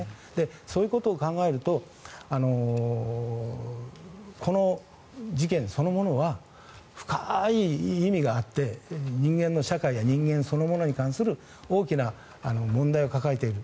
そういうことを考えるとこの事件そのものは深い意味があって人間の社会や人間そのものに関する大きな問題を抱えている。